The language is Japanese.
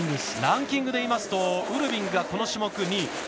ランキングでいいますとウルビングが、この種目２位。